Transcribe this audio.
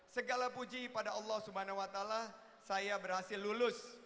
segala puji pada allah swt saya berhasil lulus